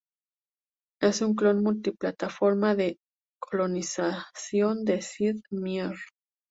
Es un clon multiplataforma de "Colonization" de Sid Meier.